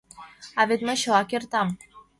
А вет мый чыла кертам.